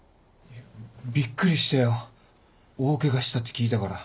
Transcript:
ビックリしたよ大ケガしたって聞いたから。